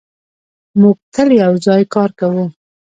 موږ تل یو ځای کار کوو.